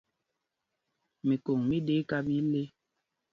Mikǒŋ mí ɗɛ́ íká ɓɛ íle.